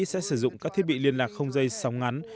sẽ sử dụng các thiết bị liên lạc không dây sóng ngắn